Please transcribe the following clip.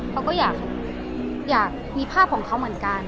เขาก็อยากมีภาพของเขาเหมือนกัน